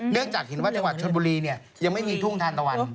เนื่องจากหินว่าจังหวัดชลบุรีเนี่ยยังไม่มีทุ่งทาตะวัน